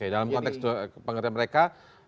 dalam konteks pengertian mereka